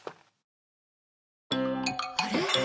あれ？